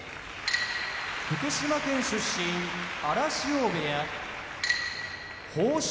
福島県出身荒汐部屋豊昇